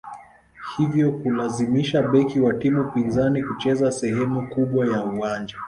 hivyo kulazimisha beki wa timu pinzani kucheza sehemu kubwa ya uwanja